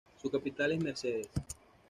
Su capital es Mercedes.